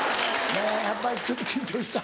やっぱりちょっと緊張した？